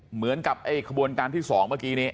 เหมือนกับไอ้ขบวนการที่๒เมื่อกี้นี้